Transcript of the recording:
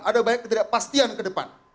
ada banyak ketidakpastian ke depan